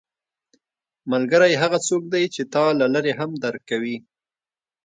ملګری هغه څوک دی چې تا له لرې هم درک کوي